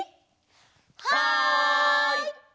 はい！